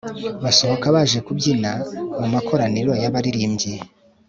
basohoka baje kubyina mu makoraniro y'abaririmbyi